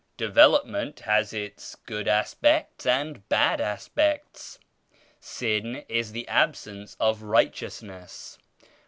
Development has its good aspects and bad aspects. Sin is the absence of Righteousness.